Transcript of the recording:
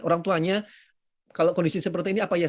orang tuanya kalau kondisi seperti ini apa ya